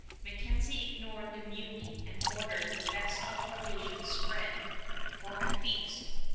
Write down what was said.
MacKenzie ignored the mutiny and ordered the best of provisions spread for a feast.